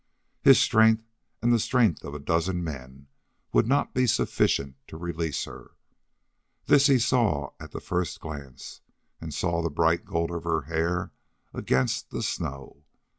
His strength and the strength of a dozen men would not be sufficient to release her. This he saw at the first glance, and saw the bright gold of her hair against the snow.